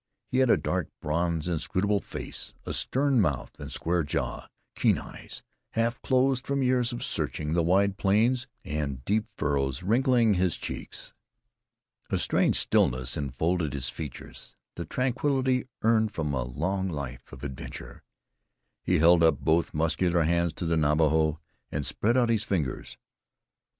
He had a dark, bronzed, inscrutable face; a stern mouth and square jaw, keen eyes, half closed from years of searching the wide plains; and deep furrows wrinkling his cheeks. A strange stillness enfolded his feature the tranquility earned from a long life of adventure. He held up both muscular hands to the Navajo, and spread out his fingers.